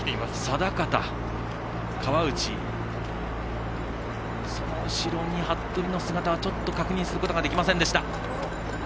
定方、川内その後ろに服部の姿は確認することができませんでした。